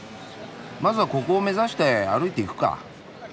まずはここを目指して歩いていくか。